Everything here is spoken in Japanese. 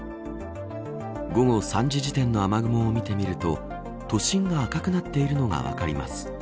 午後３時時点の雨雲を見てみると都心が赤くなっているのが分かります。